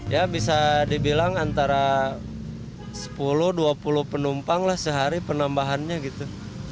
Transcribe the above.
ya bisa dibilang antara sepuluh dua puluh penumpang lah sehari penambahannya gitu